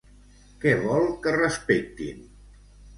Què vol que respectin?